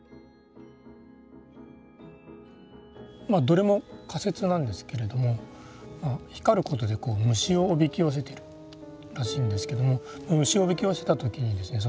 どれも仮説なんですけれども光ることで虫をおびき寄せてるらしいんですけども虫をおびき寄せた時にですね